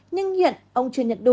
nhưng hiện ông chưa nhận đủ